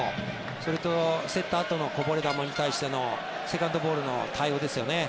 それと、競ったあとのこぼれ球に対してのセカンドボールの対応ですね。